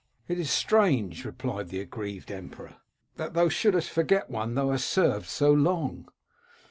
"*It is strange/ replied the aggrieved emperor, *that thou shouldest forget one thou hast served so long.'